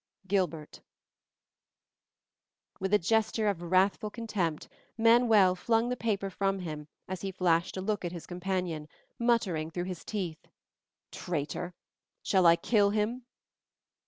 Gilbert With a gesture of wrathful contempt, Manuel flung the paper from him as he flashed a look at his companion, muttering through his teeth, "Traitor! Shall I kill him?"